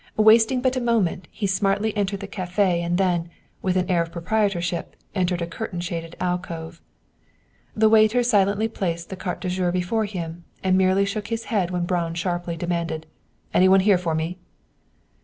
Wasting but a moment he smartly entered the café and then, with an air of proprietorship, entered a curtain shaded alcove. The waiter silently placed the carte du jour before him, and merely shook his head when Braun sharply demanded, "Any one here for me?"